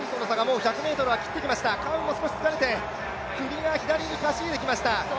カウンも少し疲れて首が左にかしげてきました。